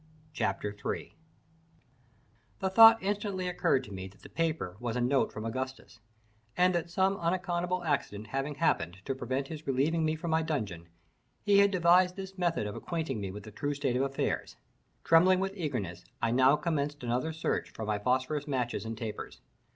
CHAPTER 3 The thought instantly occurred to me that the paper was a note from Augustus, and that some unaccountable accident having happened to prevent his relieving me from my dungeon, he had devised this method of acquainting me with the true state of affairs. Trembling with eagerness, I now commenced another search for my phosphorus matches and tapers.